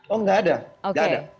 oh enggak ada